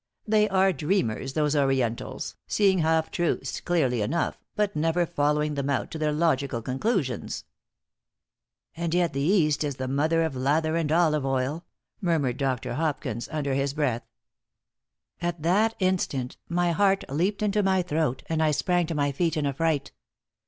They are dreamers, those Orientals, seeing half truths clearly enough, but never following them out to their logical conclusions." "And yet the East is the mother of lather and olive oil," murmured Dr. Hopkins, under his breath. At that instant my heart leaped into my throat, and I sprang to my feet in affright.